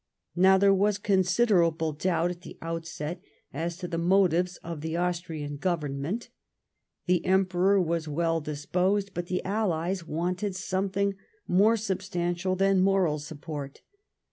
Now there was considerable doubt at the outset as to the motives of the Austrian Government; the Emperor was well disposed, but the Allies wanted something more substantial than moral support.